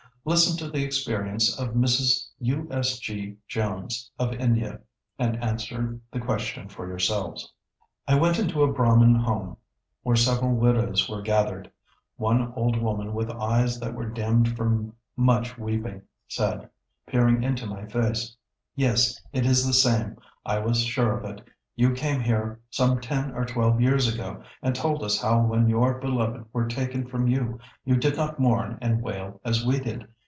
Listen to the experience of Mrs. U. S. G. Jones of India, and answer the question for yourselves. "I went into a Brahmin home where several widows were gathered. One old woman with eyes that were dimmed from much weeping said, peering into my face, 'Yes, it is the same, I was sure of it. You came here some ten or twelve years ago, and told us how when your beloved were taken from you, you did not mourn and wail as we did.